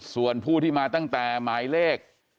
ส่วนผู้ที่มาตั้งแต่หมายเลข